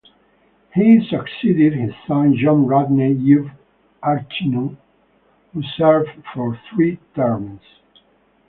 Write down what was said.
He succeeded his son John Rodney V. Arcinue, who served for three terms.